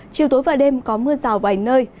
chiều tối và đêm có mưa rào vài nơi